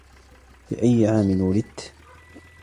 في أي عام ولدت؟